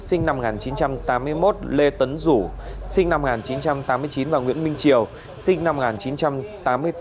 sinh năm một nghìn chín trăm tám mươi một lê tấn rủ sinh năm một nghìn chín trăm tám mươi chín và nguyễn minh triều sinh năm một nghìn chín trăm tám mươi bốn